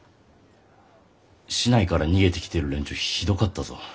市内から逃げてきてる連中ひどかったぞ。